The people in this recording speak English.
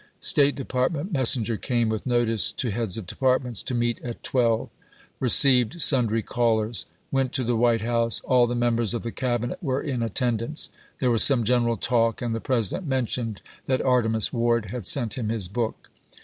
State Department messen ger came with notice to heads of Departments to meet at twelve. Received sundry callers. Went to the White House. AU the members of the Cabinet were in atten dance. There was some general talk, and the President mentioned that Artemus Ward had sent him his book.